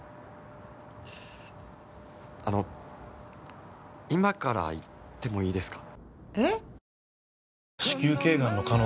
あの今から行ってもいいですか？